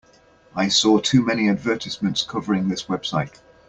I saw too many advertisements covering this website.